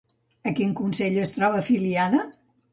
A quin Consell es troba afiliada?